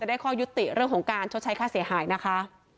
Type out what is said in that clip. ได้ข้อยุติเรื่องของการชดใช้ค่าเสียหายนะคะ